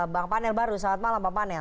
bang panel baru selamat malam bang panel